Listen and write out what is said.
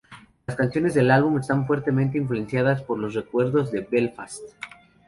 Las canciones del álbum están fuertemente influenciadas por los recuerdos de Belfast.